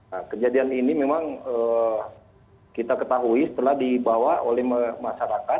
nah kejadian ini memang kita ketahui setelah dibawa oleh masyarakat